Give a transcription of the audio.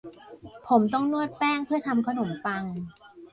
ผมต้องนวดแป้งเพื่อทำขนมปัง